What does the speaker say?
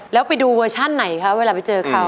แล้วไปดูเวอร์ชั่นไหนคะเวลาไปเจอเขา